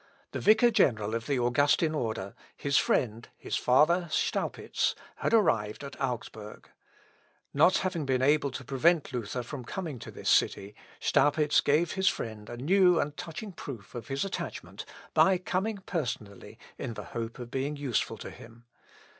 The vicar general of the Augustin order, his friend, his father Staupitz, had arrived at Augsburg. Not having been able to prevent Luther from coming to this city, Staupitz gave his friend a new and touching proof of his attachment by coming personally in the hope of being useful to him.